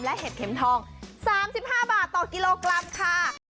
และเห็ดเข็มทอง๓๕บาทต่อกิโลกรัมค่ะ